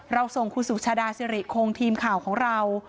เราส่งครูสุชาดาเสร็จโครงทีมข่าวของเรา